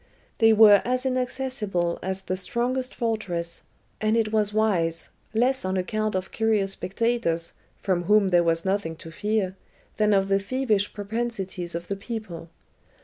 They were as inaccessible as the strongest fortress, and it was wise, less on account of curious spectators, from whom there was nothing to fear, than of the thievish propensities of the people.